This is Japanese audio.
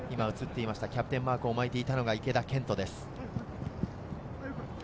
キャプテンマークを巻いていたのが池田健人です。